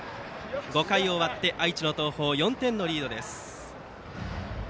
５回を終わって愛知の東邦が４点のリードです。